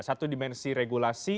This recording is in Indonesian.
satu dimensi regulasi